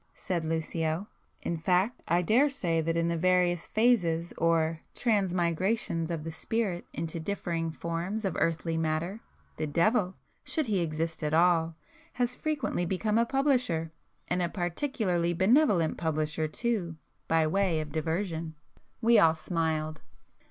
—said Lucio—"In fact I daresay that in the various 'phases' or transmigrations of the spirit into differing forms of earthy matter, the devil (should he exist at all) has frequently become a publisher,—and a particularly benevolent publisher too!—by way of diversion." We all smiled.